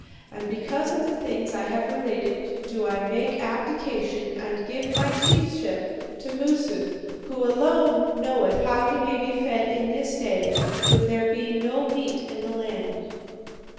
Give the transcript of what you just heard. And because of the things I have related do I make abdication and give my chiefship to Moosu, who alone knoweth how ye may be fed in this day when there be no meat in the land.'